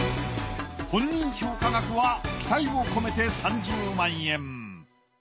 本人評価額は期待を込めて３０万円。